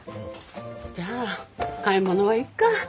じゃあ買い物はいっか。